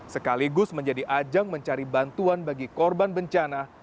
sekaligus menjadi ajang mencari bantuan bagi korban bencana